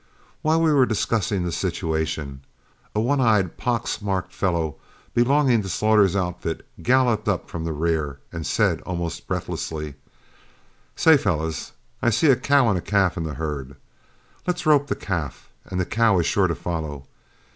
While discussing the situation, a one eyed, pox marked fellow belonging to Slaughter's outfit galloped up from the rear, and said almost breathlessly, "Say, fellows, I see a cow and calf in the herd. Let's rope the calf, and the cow is sure to follow.